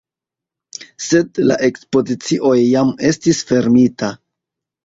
Sed la ekspozicio jam estis fermita.